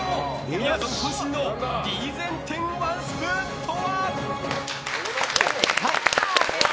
みやぞん渾身のリーゼン天ワンスプーンとは？